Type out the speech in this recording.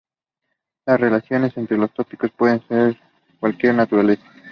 Las relaciones entre los tópicos pueden ser de cualquier naturaleza.